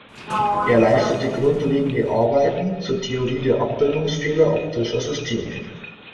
Er leistete grundlegende Arbeiten zur Theorie der Abbildungsfehler optischer Systeme.